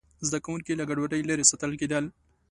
زده کوونکي له ګډوډۍ لرې ساتل کېدل.